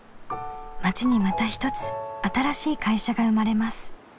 町にまた一つ新しい会社が生まれます。